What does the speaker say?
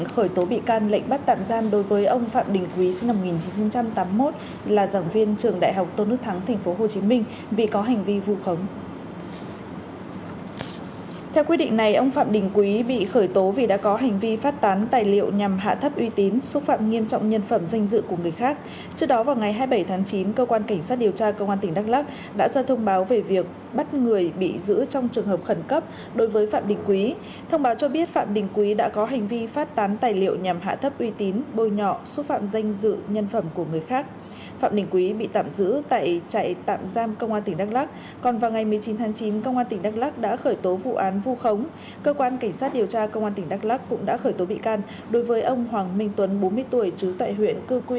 hãy đăng ký kênh để ủng hộ kênh của chúng mình nhé